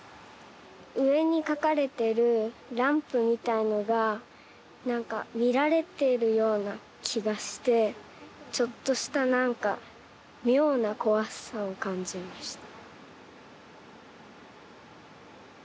上に描かれてるランプみたいのがなんか見られてるような気がしてちょっとしたなんか妙な怖さを感じました。